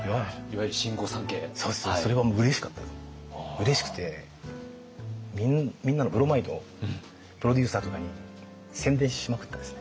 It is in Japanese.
うれしくてみんなのブロマイドプロデューサーとかに宣伝しまくってですね。